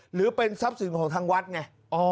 หรือเป็นทรัพย์สินของทางวัดไง